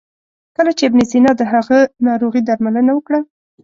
کله چې ابن سینا د هغه ناروغي درملنه وکړه.